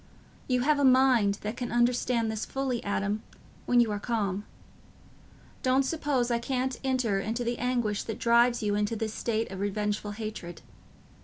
You have a mind that can understand this fully, Adam, when you are calm. Don't suppose I can't enter into the anguish that drives you into this state of revengeful hatred.